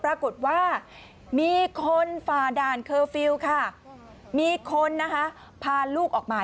ปรากฏว่ามีคนฝ่าด่านเคอร์ฟิลล์ค่ะมีคนนะคะพาลูกออกมา